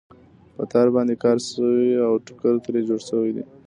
په تار باندې کار شوی او ټوکر ترې جوړ شوی دی.